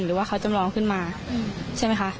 หรือว่าเขาจำลองขึ้นมาใช่ไหมคะ